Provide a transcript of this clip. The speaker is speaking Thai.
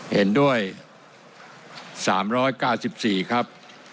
เห็นด้วยสามร้อยก้าสิบสี่ครับ